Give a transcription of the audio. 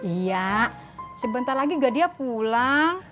iya sebentar lagi gak dia pulang